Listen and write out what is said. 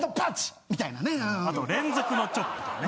あと連続のチョップとかね。